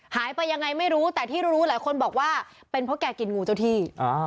หายไปยังไงไม่รู้แต่ที่รู้หลายคนบอกว่าเป็นเพราะแกกินงูเจ้าที่